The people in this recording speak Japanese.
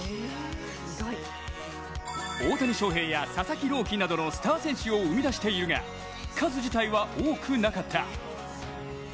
大谷翔平や佐々木朗希などのスター選手を生み出しているが数自体は多くなかった。